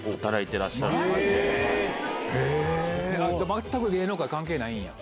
全く芸能界関係ないんや。